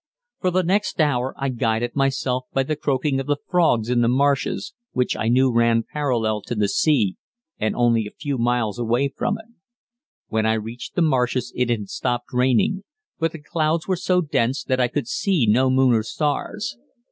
For the next hour I guided myself by the croaking of the frogs in the marshes, which I knew ran parallel to the sea and only a few miles away from it. When I reached the marshes it had stopped raining, but the clouds were so dense that I could see no moon or stars.